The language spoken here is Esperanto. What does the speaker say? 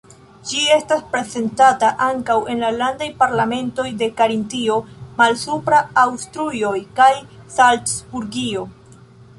Ĝi estas reprezentata ankaŭ en la landaj parlamentoj de Karintio, Malsupra Aŭstrujo kaj Salcburgio.